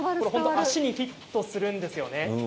足にフィットしているんですよね。